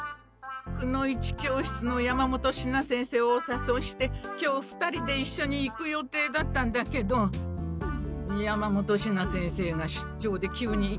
くの一教室の山本シナ先生をおさそいして今日２人で一緒に行く予定だったんだけど山本シナ先生が出張で急に行けなくなって。